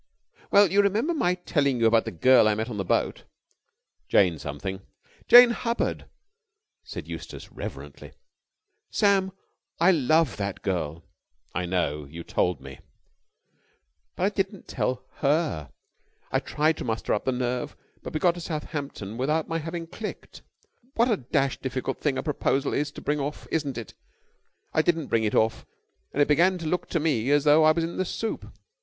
"Well, you remember my telling you about the girl I met on the boat?" "Jane Something?" "Jane Hubbard," said Eustace reverently. "Sam, I love that girl." "I know. You told me." "But I didn't tell her. I tried to muster up the nerve, but we got to Southampton without my having clicked. What a dashed difficult thing a proposal is to bring off, isn't it! I didn't bring it off, and it began to look to me as though I was in the soup.